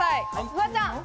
フワちゃん。